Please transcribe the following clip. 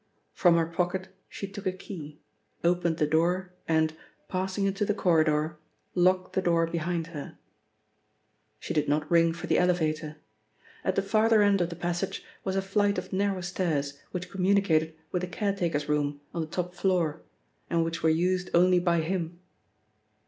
From her pocket she took a key, opened the door and, passing into the corridor, locked the door behind her. She did not ring for the elevator. At the farther end of the passage was a flight of narrow stairs which communicated with the caretaker's room, on the top floor, and which were used only by him.